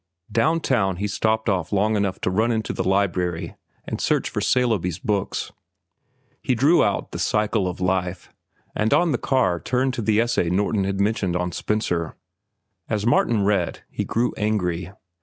Down town he stopped off long enough to run into the library and search for Saleeby's books. He drew out "The Cycle of Life," and on the car turned to the essay Norton had mentioned on Spencer. As Martin read, he grew angry.